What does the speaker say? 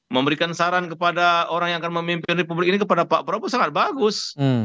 memberikan saran kepada orang yang akan memimpin republik ini kepada pak prabowo sangat bagus